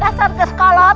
dasar ke sekolot